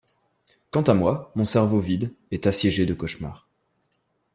Quant à moi, mon cerveau vide est assiégé de cauchemars.